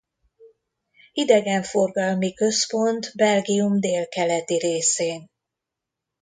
Idegenforgalmi központ Belgium délkeleti részén.